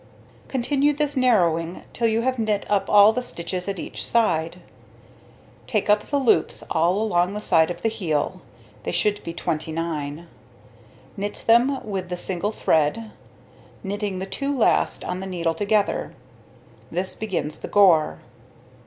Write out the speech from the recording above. Continue this narrowing till you have knit up all the stitches at each side. Take up the loops all along the side of the heel (they should be 29), knit them with the single thread, knitting the 2 last on the needle together. This begins the gore.